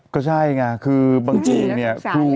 ก็ใช่ไงบางทีเนี่ย